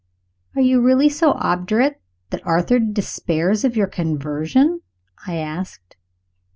"Are you really so obdurate that Arthur despairs of your conversion?" I asked.